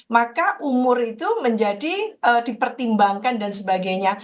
maka umur itu menjadi dipertimbangkan dan sebagainya